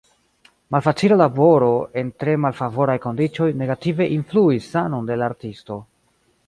Malfacila laboro en tre malfavoraj kondiĉoj negative influis sanon de la artisto.